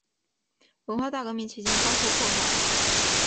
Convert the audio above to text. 文化大革命期间遭受迫害。